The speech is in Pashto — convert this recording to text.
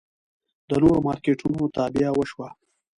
د نورو مارکېټونو تابیا وشوه.